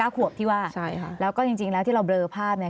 ขวบที่ว่าใช่ค่ะแล้วก็จริงแล้วที่เราเบลอภาพเนี่ย